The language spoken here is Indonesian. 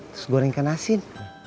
terus goreng ikan asin